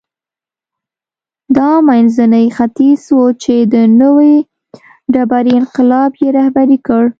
دا منځنی ختیځ و چې د نوې ډبرې انقلاب یې رهبري کړ.